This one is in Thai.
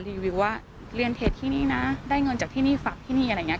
รีวิวว่าเรียนเพจที่นี่นะได้เงินจากที่นี่ฝากที่นี่อะไรอย่างนี้